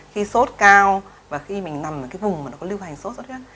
khi sốt cao và khi mình nằm ở cái vùng mà nó có lưu hành sốt sốt huyết